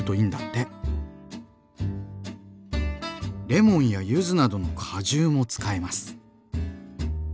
レモンやゆずなどの果汁も使えます。